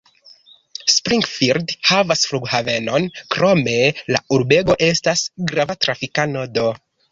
Springfield havas flughavenon, krome la urbego estas grava trafika nodo.